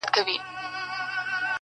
خر پر خپل، آس به پر خپل ځای وي تړلی -